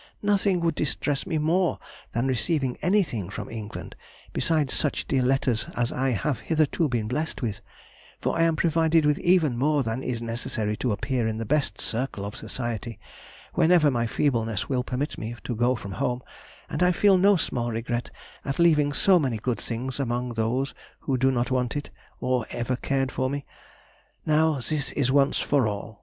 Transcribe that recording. Nothing would distress me more than receiving anything from England besides such dear letters as I have hitherto been blessed with, for I am provided with even more than is necessary to appear in the best circle of society, whenever my feebleness will permit me to go from home, and I feel no small regret at leaving so many good things among those who do not want it, or ever cared for me. Now, this is once for all!